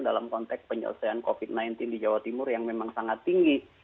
dalam konteks penyelesaian covid sembilan belas di jawa timur yang memang sangat tinggi